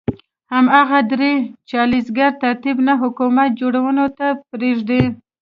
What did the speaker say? همدغه درې چارکیز ترکیب نه حکومت جوړېدو ته پرېږدي.